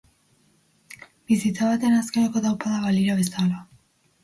Bizitza baten azkeneko taupadak balira bezala.